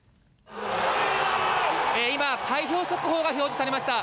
今、開票速報が表示されました。